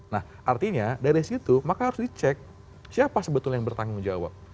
nah artinya dari situ maka harus dicek siapa sebetulnya yang bertanggung jawab